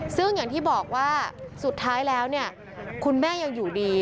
ซึ่งอย่างที่บอกว่าสุดท้ายแล้วเนี่ยคุณแม่ยังอยู่ดี